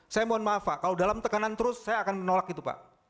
saya mohon maaf pak kalau dalam tekanan terus saya akan menolak itu pak